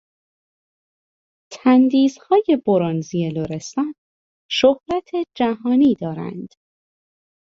تندیسهای برنزی لرستان شهرت جهانی دارند.